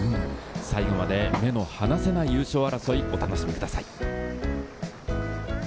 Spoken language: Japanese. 最後まで目の離せない優勝争い、お楽しみください。